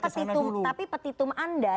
kesana dulu tapi petitum anda